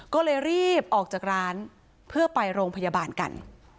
ก็เลยรีบออกจากร้านเพื่อไปโรงพยาบาลกัน